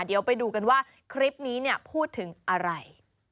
เดี๋ยวไปดูกันว่าคลิปนี้เนี่ยพูดถึงอะไร